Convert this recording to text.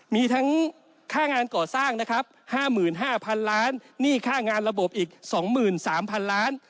มีทั้งค่างานก่อสร้างนะครับ๕๕๐๐๐ล้านหนี้ค่างานระบบอีก๒๓๐๐๐ล้าน